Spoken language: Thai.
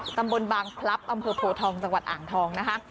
ตำบลบางพลับอำเภอโพทองจังหวัดอ่างทองนะคะ